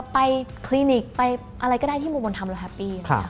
ไปคลินิกไปอะไรก็ได้ที่โมมนทำแล้วแฮปปี้